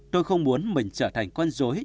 tôi không muốn mình trở thành con dối